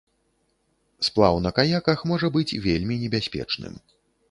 Сплаў на каяках можа быць вельмі небяспечным.